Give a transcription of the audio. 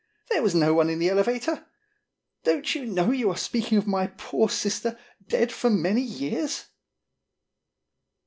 " There was no one in the elevator. Don't you know you are speaking of my poor sister, dead for many years?"